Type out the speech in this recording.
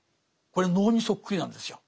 これ能にそっくりなんですよ。